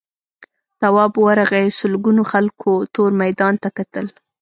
تواب ورغی سلگونو خلکو تور میدان ته کتل.